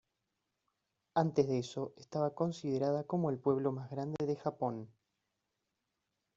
Antes de eso estaba considerada como el pueblo más grande de Japón.